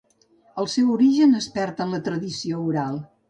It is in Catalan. El seu origen es perd en la tradició oral.